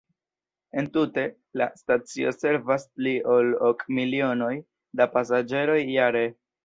Entute, la stacio servas pli ol ok milionoj da pasaĝeroj jare.